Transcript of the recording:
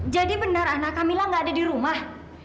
jadi benar ana kamila nggak ada di rumah